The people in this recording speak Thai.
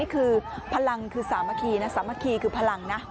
นี่คือพลังคือสามารถกียนะสามารถคียคือพลังนะ